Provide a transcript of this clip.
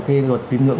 cái luật tín ngưỡng